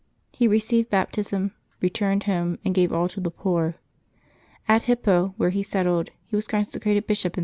He received baptism, re turned home, and gave all to the poor. At Hippo, where he settled, he was consecrated bishop in 395.